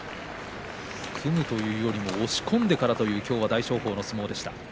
組むというよりも押し込んでからという大翔鵬の相撲でした。